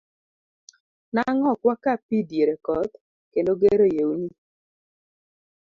Nang'o ok waka pii diere koth kendo gero yewni.